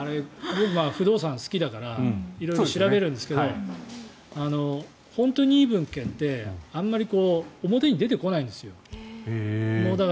僕、不動産好きだから色々調べるんですけど本当にいい物件ってあんまり表に出てこないんですよ。